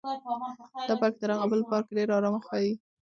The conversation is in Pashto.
دا پارک تر هغه بل پارک ډېر ارامه ښکاري.